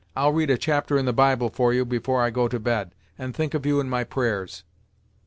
I'll read a chapter in the Bible for you before I go to bed, and think of you in my prayers."